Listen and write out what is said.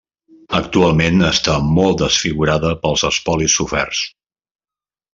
Actualment està molt desfigurada pels espolis soferts.